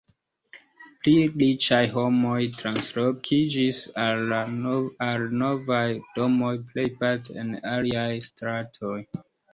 Pli riĉaj homoj translokiĝis al novaj domoj, plejparte en aliaj stratoj.